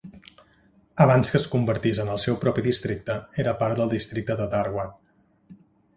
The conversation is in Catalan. Abans que es convertís en el seu propi districte era part del districte de Dharwad.